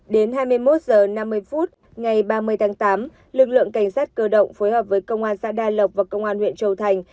đến hai mươi một h năm mươi phút ngày ba mươi tháng tám lực lượng cảnh sát cơ động phối hợp với công an xã đa lộc và công an huyện châu thành